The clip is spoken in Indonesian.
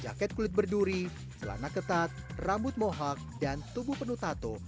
jaket kulit berduri celana ketat rambut mohak dan tubuh penuh tato